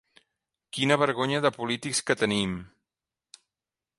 Quina vergonya de polítics que tenim!